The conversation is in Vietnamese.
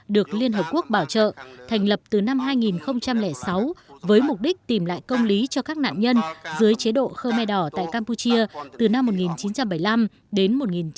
được liên hợp quốc bảo trợ thành lập từ năm hai nghìn sáu với mục đích tìm lại công lý cho các nạn nhân dưới chế độ khơ me đỏ tại campuchia từ năm một nghìn chín trăm bảy mươi năm đến một nghìn chín trăm tám mươi hai